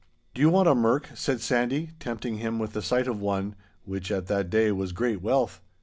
'Do you want a merk?' said Sandy, tempting him with the sight of one, which at that day was great wealth.